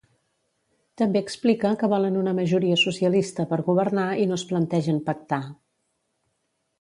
També explica que volen una majoria socialista per governar i no es plantegen pactar.